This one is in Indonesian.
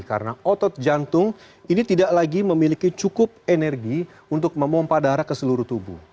karena otot jantung ini tidak lagi memiliki cukup energi untuk memompah darah ke seluruh tubuh